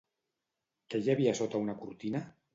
Què hi havia sota una cortina?